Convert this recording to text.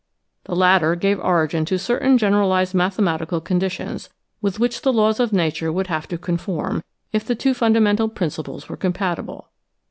The latter gave origin to certain generalized mathematical conditions with which the laws of nature would have to conform if the two fundamental principles were compatible.